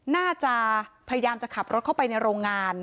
น่าจะพยายามจะขับรถเข้าไปในโรงงาน